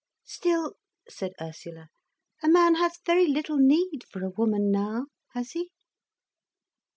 "Still," said Ursula, "a man has very little need for a woman now, has he?"